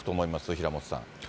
平本さん。